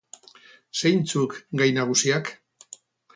Zeintzuk gai nagusiak?